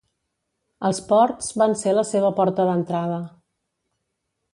Els ports vans er la seva porta d'entrada.